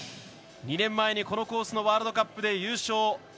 ２年前に、このコースのワールドカップで優勝。